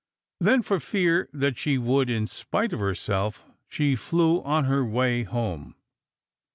Then, for fear that she would in spite of herself, she flew on her way home.